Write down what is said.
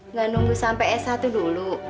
nggak nunggu sampai s satu dulu